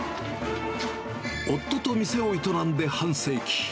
夫と店を営んで半世紀。